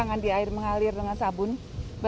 jadi ini ada yang eas nya juga